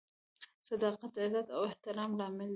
• صداقت د عزت او احترام لامل دی.